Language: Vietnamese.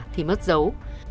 thì mất dấu